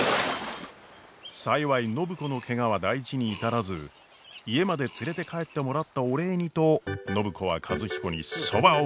幸い暢子のケガは大事に至らず家まで連れて帰ってもらったお礼にと暢子は和彦にそばを振る舞うことにしました。